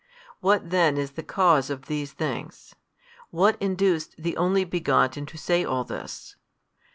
What then is the cause of these things? what induced the Only Begotten to say all this?